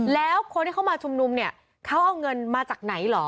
แล้วคนที่เขามาชุมนุมเนี่ยเขาเอาเงินมาจากไหนเหรอ